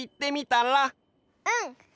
うん！